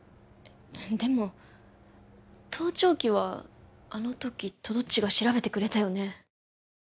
でも盗聴器はあの時とどっちが調べてくれたよね